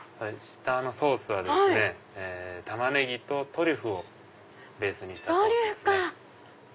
下のソースはですねタマネギとトリュフをベースにしたソースですね。